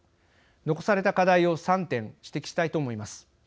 残された課題を３点指摘したいと思います。